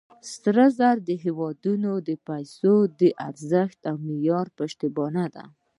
سره زر د هېوادونو د پیسو د ارزښت معیار یا پشتوانه ده.